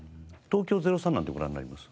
東京０３なんてご覧になります？